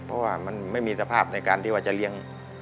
เพราะว่ามันไม่มีสภาพที่จะเลี้ยง